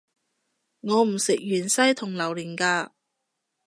我唔食芫茜同榴連架